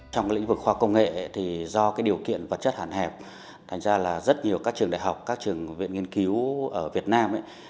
trong lĩnh vực khoa công nghệ thì do điều kiện vật chất hẳn hẹp thành ra là rất nhiều các trường đại học các trường viện nghiên cứu ở việt nam